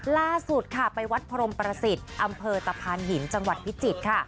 ล่าสุดค่ะไปวัดพรมประสิทธิ์อำเภอตะพานหินจังหวัดพิจิตรค่ะ